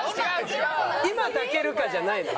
今抱けるかじゃないのよ。